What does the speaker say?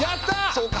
そうか。